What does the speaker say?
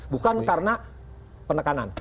bukan karena penekanan